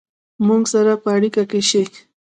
مونږ سره په اړیکه کې شئ